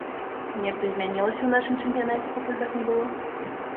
Нешта змянілася ў нашым чэмпіянаце, пакуль вас не было?